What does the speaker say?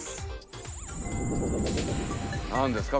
何ですか？